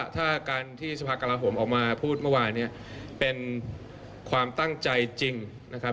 ถ้าการที่สภากราโหมออกมาพูดเมื่อวานเนี่ยเป็นความตั้งใจจริงนะครับ